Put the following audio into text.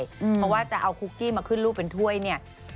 เพราะว่าจะเอาคุกกี้มาขึ้นรูปเป็นถ้วยเนี่ย